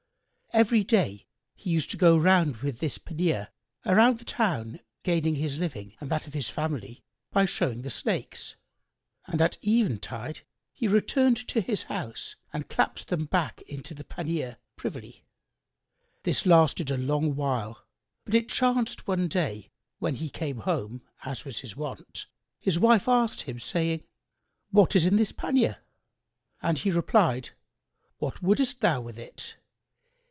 Every day he used to go round with this pannier about the town gaining his living and that of his family by showing the snakes, and at eventide he returned to his house and clapped them back into the basket privily. This lasted a long while, but it chanced one day, when he came home, as was his wont, his wife asked him, saying, "What is in this pannier?" And he replied, "What wouldest thou with it?